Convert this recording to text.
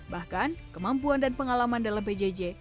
bahkan kemampuan dan pengalaman dalam pjj